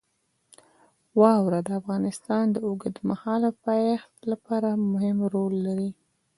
واوره د افغانستان د اوږدمهاله پایښت لپاره مهم رول لري.